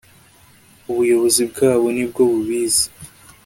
ubuyobozi bwawo nibwo bubizi